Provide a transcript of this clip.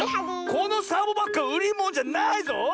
このサボバッグはうりものじゃないぞ！